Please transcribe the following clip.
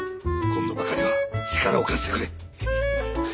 今度ばかりは力を貸してくれ。